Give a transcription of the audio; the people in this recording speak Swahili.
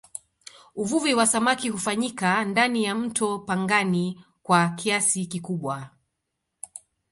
uvuvi wa samaki hufanyika ndani ya mto pangani kwa kiasi kikubwa